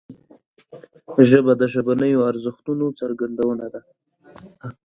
ژبه د ژبنیو ارزښتونو څرګندونه ده